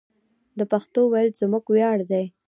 د پښتو ویل زموږ ویاړ دی.